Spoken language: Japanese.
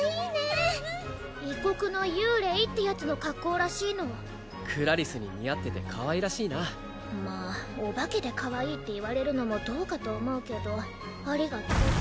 うんうん異国の幽霊ってやつの格好らしいのクラリスに似合っててかわいらしいなまあお化けでかわいいって言われるのもどうかと思うけどありがとううわあっ！